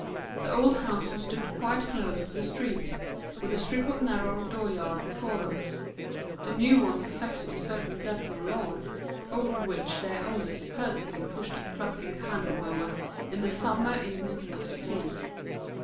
The old houses stood quite close to the street, with a strip of narrow door yard before them; the new ones affected a certain depth of lawn, over which their owners personally pushed a clucking hand mower in the summer evenings after tea.